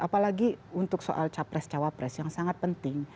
apalagi untuk soal capres cawapres yang sangat penting